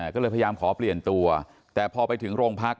ก็เลยพยายามขอเปลี่ยนตัวแต่พอไปถึงโรงพัก